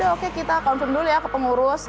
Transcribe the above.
tapi udah oke kita confirm dulu ya ke pengurus